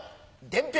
伝票！